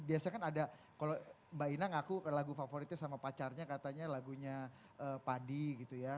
biasanya kan ada kalau mbak ina ngaku lagu favoritnya sama pacarnya katanya lagunya padi gitu ya